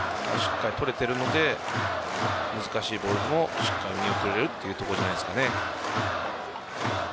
取れているので難しいボールもしっかり見送れるというところじゃないですかね。